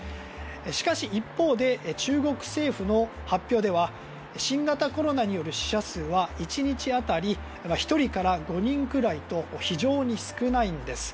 しかし、一方で中国政府の発表では新型コロナによる死者数は１日当たり１人から５人くらいと非常に少ないんです。